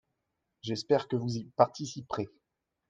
J’espère que vous y participerez.